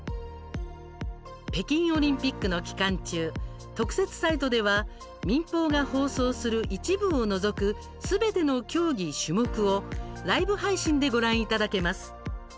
北京オリンピックの期間中特設サイトでは民放が放送する一部を除くすべての競技・種目を「ライブ配信」でご覧いただけます。